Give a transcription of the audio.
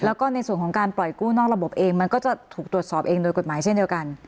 แล้วก็ในส่วนของการปล่อยกู้นอกระบบเองมันก็จะถูกตรวจสอบเองโดยกฎหมายเช่นเดียวกัน